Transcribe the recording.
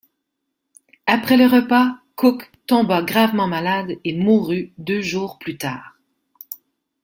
Après le repas, Cook tomba gravement malade et mourut deux jours plus tard.